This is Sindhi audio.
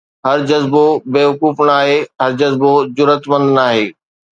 هر جذبو بيوقوف ناهي، هر جذبو جرئتمند ناهي